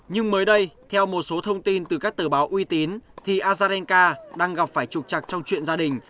nhưng mới đây theo một số thông tin từ các tờ báo uy tín thì azarenca đang gặp phải trục chặt trong chuyện gia đình